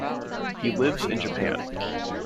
He lives in Japan.